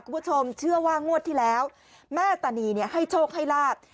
คุณผู้ชมเชื่อว่างวดที่แล้วแม่ตานีให้โชคให้ลาบ